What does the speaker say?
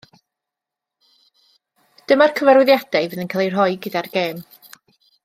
Dyma'r cyfarwyddiadau fydd yn cael eu rhoi gyda'r gêm.